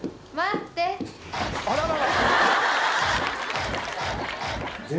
あららら！